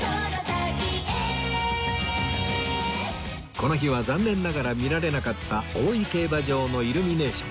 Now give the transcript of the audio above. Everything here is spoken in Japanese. この日は残念ながら見られなかった大井競馬場のイルミネーション